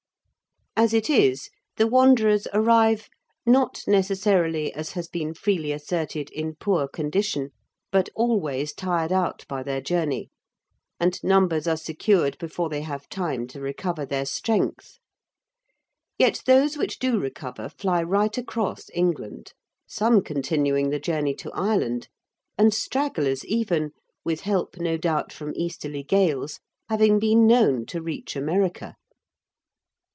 As it is, the wanderers arrive, not necessarily, as has been freely asserted, in poor condition, but always tired out by their journey, and numbers are secured before they have time to recover their strength. Yet those which do recover fly right across England, some continuing the journey to Ireland, and stragglers even, with help no doubt from easterly gales, having been known to reach America.